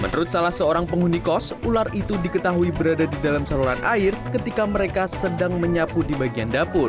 menurut salah seorang penghuni kos ular itu diketahui berada di dalam saluran air ketika mereka sedang menyapu di bagian dapur